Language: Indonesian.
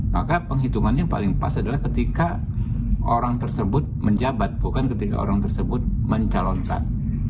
maka penghitungannya yang paling pas adalah ketika orang tersebut menjabat bukan ketika orang tersebut mencalonkan